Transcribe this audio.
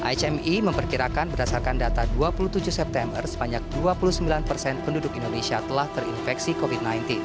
ihme memperkirakan berdasarkan data dua puluh tujuh september sebanyak dua puluh sembilan persen penduduk indonesia telah terinfeksi covid sembilan belas